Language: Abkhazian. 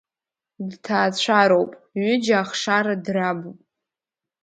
Дҭаацәароуп, ҩыџьа ахшара драбуп.